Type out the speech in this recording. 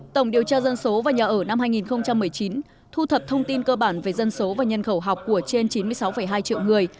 tổng điều tra dân số và nhà ở năm hai nghìn một mươi chín thu thập thông tin cơ bản về dân số và nhân khẩu học của trên chín mươi sáu hai triệu người